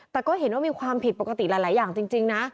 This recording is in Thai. แต่ก็เห็นว่ามีความผิดปกติหลายอย่างจริงนะ